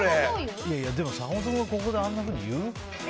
でも、坂本君がここであんなふうに言う？